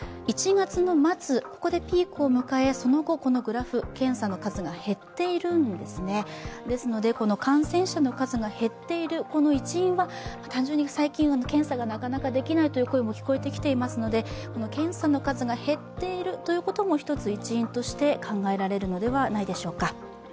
１月末でピークを迎え、その後グラフ、検査の数が減っているんですねですので感染者の数が減っている一因は単純に検査がなかなかできないという声も聞こえてきていますので検査の数が減っていることも一因として考えられるのではないでしょうか。